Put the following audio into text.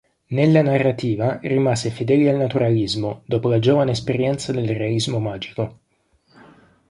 Nella narrativa rimase fedele al naturalismo, dopo la giovane esperienza nel realismo magico.